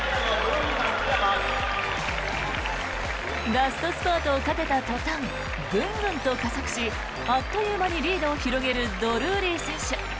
ラストスパートをかけた途端グングンと加速しあっという間にリードを広げるドルーリー選手。